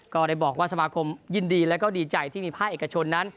ก็ได้บอกว่าสมาคมยินดีและก็ดีใจที่มีภาคเอกชนนั้น